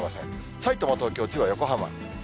さいたま、東京、千葉、横浜。